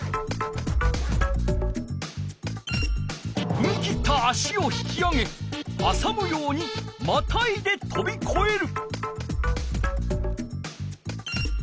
ふみ切った足を引き上げはさむようにまたいでとびこえる。